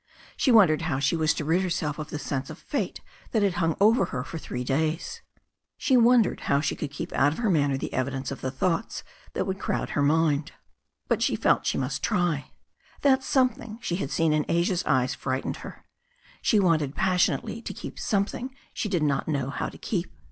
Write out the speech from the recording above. She wondered how she was to rid herself of the sense of fate that had hung over her for three days. She wondered how she could keep out of her manner the evidence ot tias^ 5300 THE STORY OF A NEW ZEALAND RIVER thoughts that would crowd her mind. But she felt she must try. That something she had seen in Asia's eyes fright ened her. She wanted passionately to keep something she did not know how to keep.